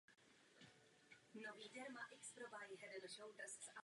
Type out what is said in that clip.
Na vrcholu hory se nachází poutní kostelík.